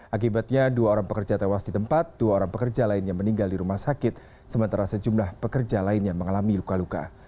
akibatnya dua orang pekerja tewas di tempat dua orang pekerja lainnya meninggal di rumah sakit sementara sejumlah pekerja lainnya mengalami luka luka